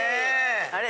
あれ。